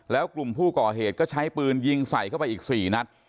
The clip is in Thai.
แล้วกลุ่มผู้ก่อเหตุก็ใช้ปืนยิงใส่เข้าไปอีก๔นัด